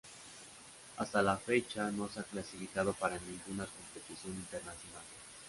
Hasta la fecha no se ha clasificado para ninguna competición internacional.